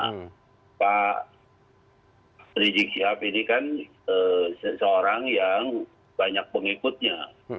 karena pak rizik syihab ini kan seseorang yang banyak pengikutnya